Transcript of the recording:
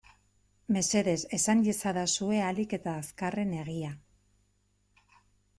Mesedez esan iezadazue ahalik eta azkarren egia.